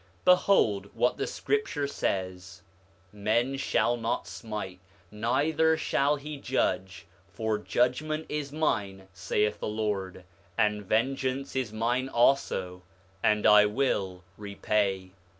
8:20 Behold what the scripture says—man shall not smite, neither shall he judge; for judgment is mine, saith the Lord, and vengeance is mine also, and I will repay.